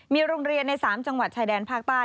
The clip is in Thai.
มีโรงเรียนใน๓จังหวัดชายแดนภาคใต้